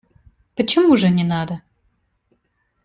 Почему же не надо?